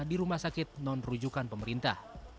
di rumah sakit non rujukan pemerintah